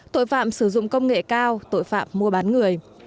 tội phạm sử dụng công nghệ cao tội phạm mua bán người